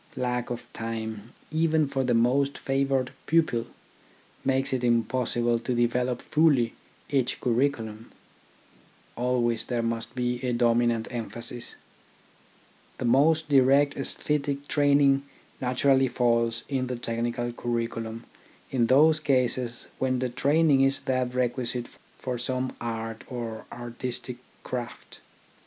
Lack of time, even for the most favoured pupil, makes TECHNICAL EDUCATION 39 it impossible to develop fully each curriculum. Always there must be a dominant emphasis. The most direct aesthetic training naturally falls in the technical curriculum in those cases when the training is that requisite for some art or artistic craft.